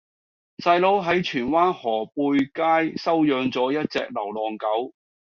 細佬喺荃灣河背街收養左一隻流浪狗